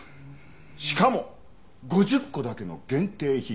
しかも５０個だけの限定品。